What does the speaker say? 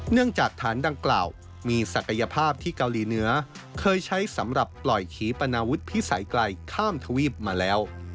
จากฐานดังกล่าวมีศักยภาพที่เกาหลีเหนือเคยใช้สำหรับปล่อยขีปนาวุฒิพิสัยไกลข้ามทวีปมาแล้ว